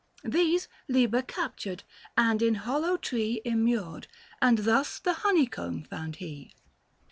795 These Liber captured, and in hollow tree Immured, and thus the honeycomb found he.